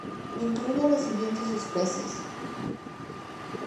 Incluye las siguientes especiesː